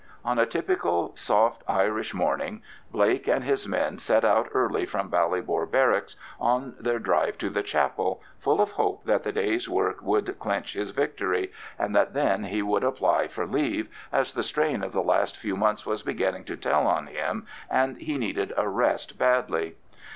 On a typical soft Irish morning Blake and his men set out early from Ballybor Barracks on their drive to the chapel, full of hope that the day's work would clinch his victory, and that then he would apply for leave, as the strain of the last few months was beginning to tell on him, and he needed a rest badly.